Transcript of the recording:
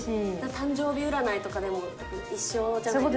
誕生日占いとかでも一緒じゃないですか。